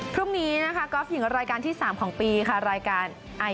พรุ่งนี้นะคะรายการที่สามของปีค่ะรายการ